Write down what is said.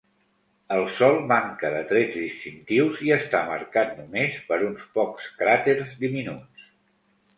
El sòl manca de trets distintius i està marcat només per uns pocs cràters diminuts.